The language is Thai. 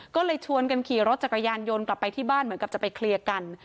ก็เลยชวนกันขี่รถจักรยานยนต์กลับไปที่บ้านเหมือนกับจะไปเคลียร์กัน